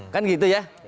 kan gitu ya